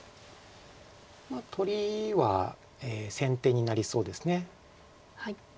取りは先手になりそうです。